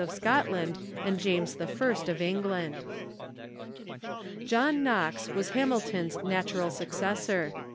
of Scotland and James I. of England. John Knox was Hamilton's natural successor.